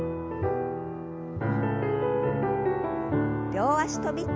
両脚跳び。